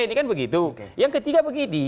ini kan begitu yang ketiga begini